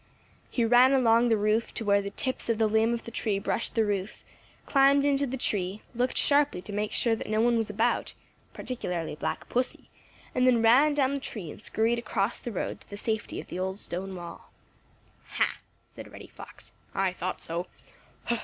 He ran along the roof to where the tips of the limb of the tree brushed the roof, climbed into the tree, looked sharply to make sure that no one was about, particularly Black Pussy, and then ran down the tree and scurried across the road to the safety of the old stone wall. "Ha!" said Reddy Fox, "I thought so!